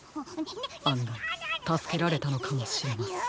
あんがいたすけられたのかもしれません。